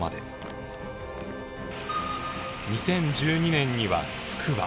２０１２年にはつくば。